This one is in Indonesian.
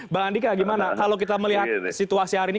bang andika gimana kalau kita melihat situasi hari ini